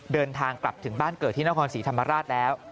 เดินทางกลับถึงบ้านเกิดที่นครศรีธรรมราชแล้ว